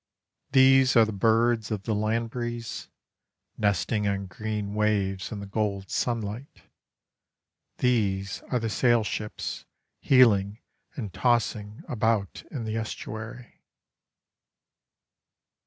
These are the birds of the land breeze, Nesting on green waves in the gold sunlight: These are the sailships Heeling and tossing about in the estuary.